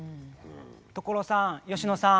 所さん佳乃さん。